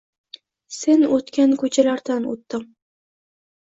Sen o’tgan ko’chalardan o’tdim.